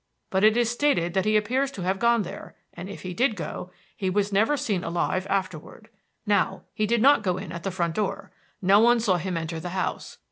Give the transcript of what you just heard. But it is stated that he appears to have gone there; and if he did go, he was never seen alive afterward. Now, he did not go in at the front door. No one saw him enter the house.